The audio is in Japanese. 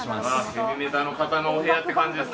ヘビメタの方のお部屋って感じです。